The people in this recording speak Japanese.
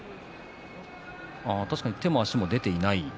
確かに手も足も出ていない。